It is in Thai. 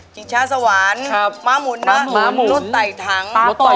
จิงชาสวรรค์หม้ามุนลูสไต่ทัง